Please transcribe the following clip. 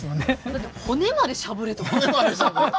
だって「骨までしゃぶれ」とか。